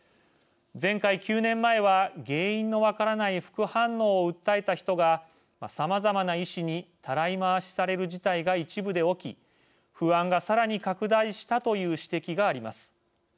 前回、９年前は原因の分からない副反応を訴えた人がさまざまな医師にたらい回しされる事態が一部で起き不安がさらに拡大したという指摘があります。